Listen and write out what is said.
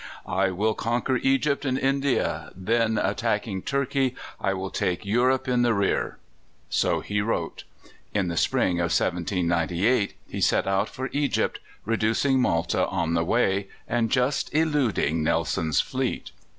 "I will conquer Egypt and India; then, attacking Turkey, I will take Europe in the rear." So he wrote. In the spring of 1798 he set out for Egypt, reducing Malta on the way, and just eluding Nelson's fleet.